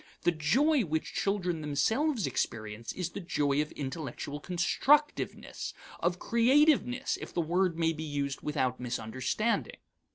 The joy which children themselves experience is the joy of intellectual constructiveness of creativeness, if the word may be used without misunderstanding.